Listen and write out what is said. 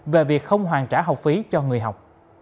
về việc không hoàn trả học phí cho người học